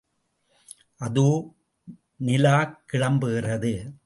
அதோ, நிலாக் கிளம்புகிறது.